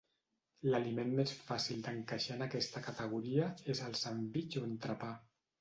L'aliment més fàcil d'encaixar en aquesta categoria és el sandvitx o entrepà.